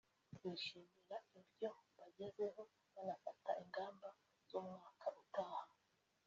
bishimira ibyo bagezeho banafata ingamba z’umwaka utaha